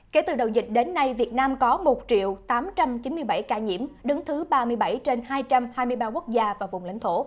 kể từ đầu dịch đến nay việt nam có một tám trăm chín mươi bảy ca nhiễm đứng thứ ba mươi bảy trên hai trăm hai mươi ba quốc gia và vùng lãnh thổ